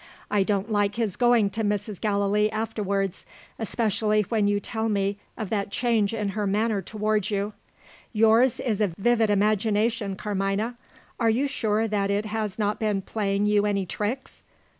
I don't like his going to Mrs. Gallilee afterwards especially when you tell me of that change in her manner towards you. Yours is a vivid imagination, Carmina. Are you sure that it has not been playing you any tricks?"